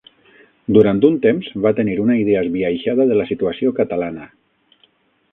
Durant un temps va tenir una idea esbiaixada de la situació catalana.